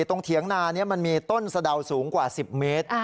เถียงนานี้มันมีต้นสะดาวสูงกว่า๑๐เมตร